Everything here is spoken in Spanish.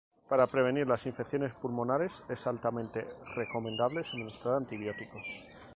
Para prevenir las infecciones pulmonares es altamente recomendable suministrar antibióticos.